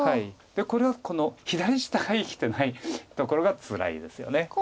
これは左下が生きてないところがつらいですよね。